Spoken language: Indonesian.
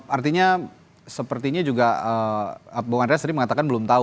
artinya sepertinya juga bang andreas tadi mengatakan belum tahu